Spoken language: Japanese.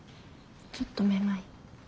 ちょっとめまい。